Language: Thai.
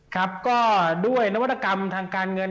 ครับก็ด้วยนวัตกรรมทางการเงิน